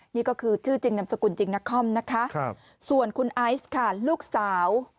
นี่ก็คือชื่อจริงนามสกุลจริงนครนะคะส่วนคุณไอซ์ค่ะลูกสาว